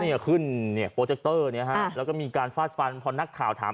เนี่ยขึ้นเนี่ยโปรเจคเตอร์เนี่ยฮะแล้วก็มีการฟาดฟันพอนักข่าวถาม